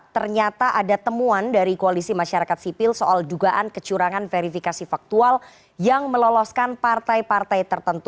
ternyata ada temuan dari koalisi masyarakat sipil soal dugaan kecurangan verifikasi faktual yang meloloskan partai partai tertentu